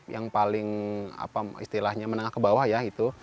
yang paling apa istilahnya menengah ke bawah ya itu